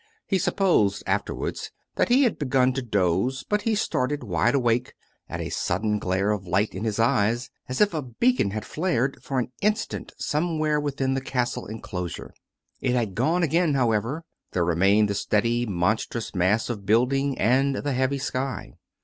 ... He supposed afterwards that he had begun to doze; but he started, wide awake, at a sudden glare of light in his eyes, as if a beacon had flared for an instant somewhere within the castle enclosure. It was gone again, however; there remained the steady monstrous mass of building and the heavy sky.